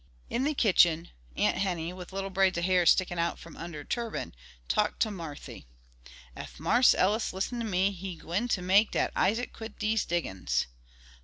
In the kitchen Aunt Henny, with little braids of hair sticking out from under turban, talked to Marthy. "Ef Marse Ellis listen to me, he gwine ter make dat Isaac quit dese diggin's."